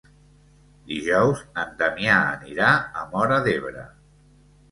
Dijous en Damià anirà a Móra d'Ebre.